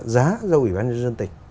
giá do ủy ban nhân dân tịch